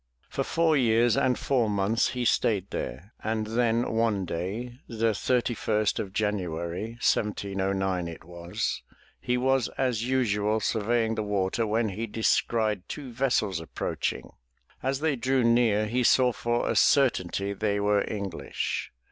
For four years and four months he stayed there, and then one day, the thirty first of January, 1709, it was, he was as usual surveying the water when he descried two vessels approaching. As they drew near, he saw for a certainty they were English.